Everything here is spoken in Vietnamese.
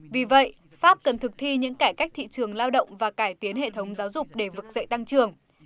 vì vậy pháp cần thực thi những cải cách thị trường lao động và cải tiến hệ thống giáo dục để vực dậy tăng trưởng